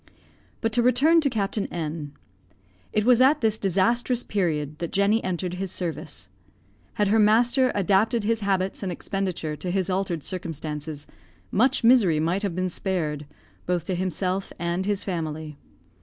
But to return to Captain N . It was at this disastrous period that Jenny entered his service. Had her master adapted his habits and expenditure to his altered circumstances, much misery might have been spared, both to himself and his family.